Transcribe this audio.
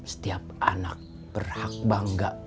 setiap anak berhak bangga